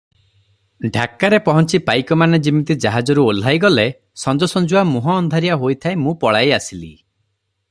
ଢାକାରେ ପହଞ୍ଚି ପାଇକମାନେ ଯିମିତି ଜାହାଜରୁ ଓହ୍ଲାଇଗଲେ, ସଞ୍ଜସଞ୍ଜୁଆ ମୁହଁଅନ୍ଧାରିଆ ହୋଇଥାଏ ମୁଁ ପଳାଇ ଆସିଲି ।